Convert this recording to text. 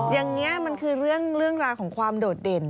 อย่างนี้มันคือเรื่องราวของความโดดเด่น